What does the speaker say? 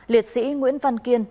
năm liệt sĩ nguyễn văn kiên